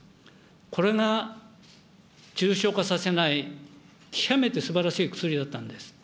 これが重症化させない、極めてすばらしい薬だったんです。